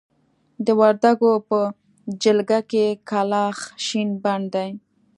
د وردکو په جلګه کې کلاخ شين بڼ دی.